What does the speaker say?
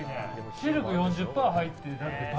シルク４０％入って。